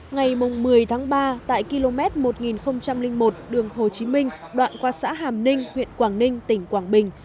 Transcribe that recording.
ngày một mươi tháng ba tại km một nghìn một đường hồ chí minh đoạn qua xã hàm ninh huyện quảng ninh tỉnh quảng bình